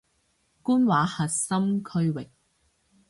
官話核心區域